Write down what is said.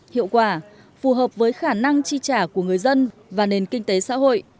hiệu quả phù hợp với khả năng chi trả của người dân và nền kinh tế xã hội